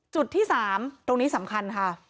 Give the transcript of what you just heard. จุดที่๓ตรงนี้สำคัญค่ะ